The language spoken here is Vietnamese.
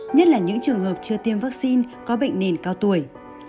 nhất là những trường hợp chưa tiêm vaccine có bệnh nền cao tuổi